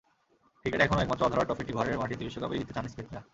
ক্রিকেটে এখনো একমাত্র অধরা ট্রফিটি ঘরের মাটিতে বিশ্বকাপেই জিততে চান স্মিথরা।